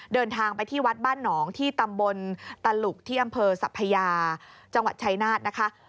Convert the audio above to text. เดินทางไปที่วัดบ้านหนองที่ตำบลตลุกที่อำเภอสัพพยาจังหวัดชายนาฏนะคะ